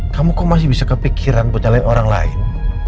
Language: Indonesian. kamu kok masih bisa kepikiran buat jalanin orang lain